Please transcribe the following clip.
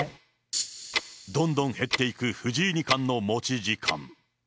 どんどん減っていく藤井二冠の持ち時間。